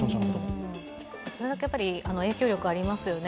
それだけ影響力ありますよね。